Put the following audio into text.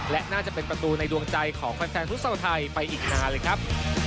และน่าจะเป็นประตูในดวงใจของแฟนฟุตซอลไทยไปอีกนานเลยครับ